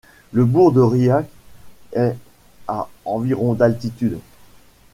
Le bourg de Rouillac est à environ d'altitude.